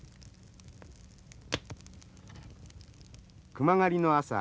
熊狩りの朝。